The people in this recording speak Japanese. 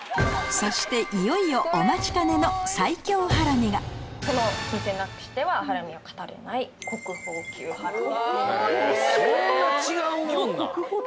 そしていよいよお待ちかねの最強ハラミがこの店なくしてはハラミは語れない国宝級ハラミ。